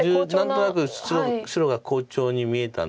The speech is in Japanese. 何となく白が好調に見えたんですけど。